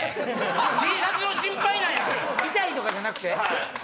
⁉痛い！とかじゃなくて？